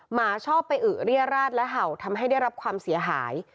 หมาชอบไปอึเรียราชและเห่าทำให้ได้รับความเสียหาย